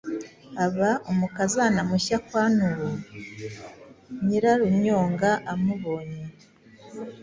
aba umukazana mushya kwa Nuwo. Nyirarunyonga amubonye,